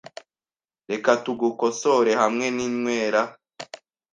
Reka tugukosore hamwe ninywera .